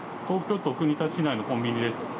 東京都国立市内のコンビニです。